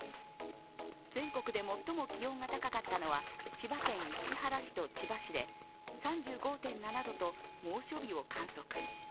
全国で最も気温が高かったのは千葉県市原市と千葉市で３５．７度と猛暑日を観測。